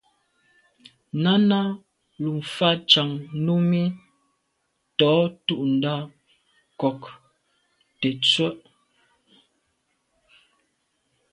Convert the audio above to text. Náná lù fá càŋ Númí tɔ̌ tûɁndá ŋkɔ̀k tə̀tswə́Ɂ.